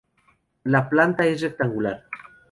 La planta es rectangular.